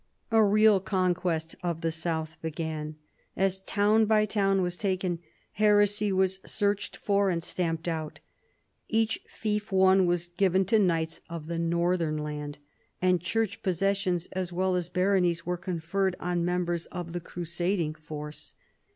A real conquest of the south began. As town by town was taken, heresy was searched for and stamped out. Each fief won was given to knights of the northern land, and Church possessions as well as baronies were conferred on members of the crusading force.